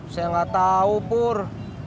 saya gatau pur